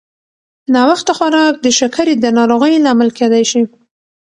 ناوخته خوراک د شکرې د ناروغۍ لامل کېدای شي.